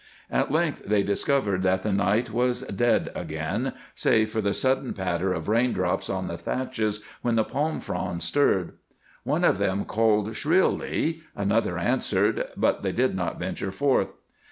At length they discovered that the night was dead again, save for the sudden patter of raindrops on the thatches when the palm fronds stirred. One of them called shrilly, another answered, but they did not venture forth.